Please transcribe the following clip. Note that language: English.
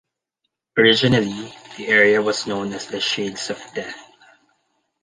Originally, the area was known as the "Shades of Death".